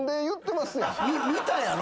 見たやろ？